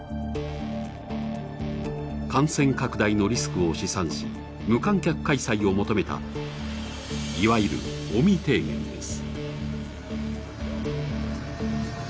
感染拡大のリスクを試算し、無観客開催を求めた、いわゆる尾身提言です。